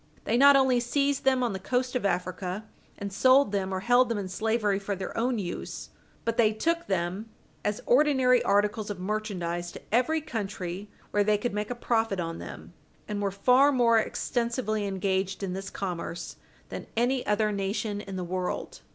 They not only seized them on the coast of Africa and sold them or held them in slavery for their own use, but they took them as ordinary articles of merchandise to every country where they could make a profit on them, and were far more extensively engaged in this commerce than any other nation in the world.